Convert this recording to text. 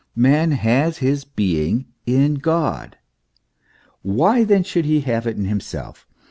Man has his being in God; why then should he have it in himself?